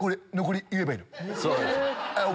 そうです。